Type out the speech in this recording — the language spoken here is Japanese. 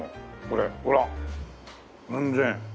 これほら全然。